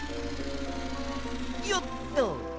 よっと！